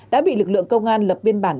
đã bị lực lượng công an lập biên bản